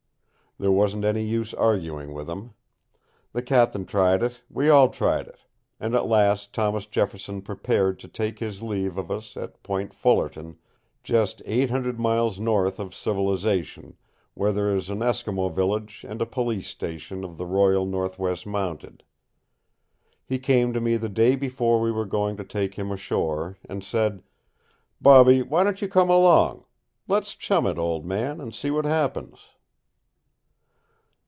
There wasn't any use arguing with him. The cap'n tried it, we all tried it, and at last Thomas Jefferson prepared to take his leave of us at Point Fullerton, just eight hundred miles north of civilization, where there's an Eskimo village and a police station of the Royal Northwest Mounted. He came to me the day before we were going to take him ashore, and said: "Bobby, why don't you come along? Let's chum it, old man, and see what happens."